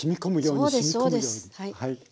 そうですそうですはい。